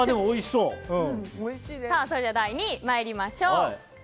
それでは第２位に参りましょう。